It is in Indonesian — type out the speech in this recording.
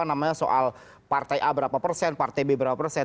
namanya soal partai a berapa persen partai b berapa persen